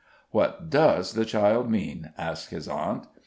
"What does the child mean?" asked his aunt.